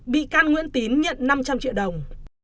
bị can nguyễn tín nhận năm trăm linh triệu đồng